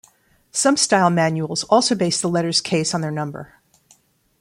Some style manuals also base the letters' case on their number.